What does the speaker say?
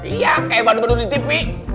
iya kayak badu badu di tv